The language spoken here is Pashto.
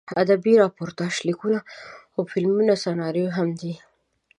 ادبي راپورتاژ لیکونه او فلمي سناریو هم دي.